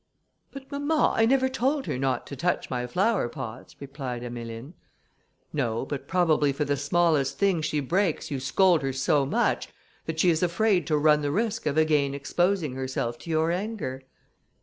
"But, mamma, I never told her not to touch my flowerpots," replied Emmeline. "No; but probably for the smallest thing she breaks, you scold her so much, that she is afraid to run the risk of again exposing herself to your anger."